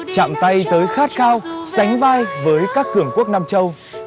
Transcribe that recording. chạm tay tới khát khao sánh vai với các cường quốc nam châu